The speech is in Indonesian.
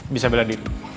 bisa bela diri